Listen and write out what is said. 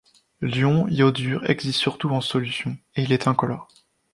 L'ion iodure existe surtout en solution, et il est incolore.